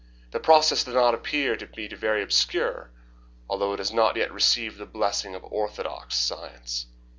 The process does not appear to me to be very obscure, though it has not yet received the blessing of orthodox science.